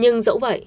nhưng dẫu vậy